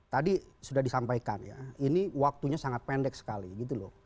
tadi sudah disampaikan ya ini waktunya sangat pendek sekali gitu loh